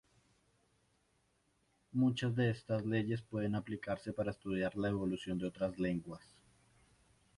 Muchas de estas leyes pueden aplicarse para estudiar la evolución de otras lenguas.